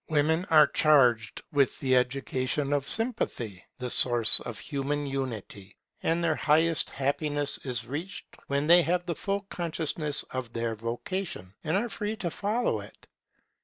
Women are charged with the education of Sympathy, the source of human unity; and their highest happiness is reached when they have the full consciousness of their vocation, and are free to follow it.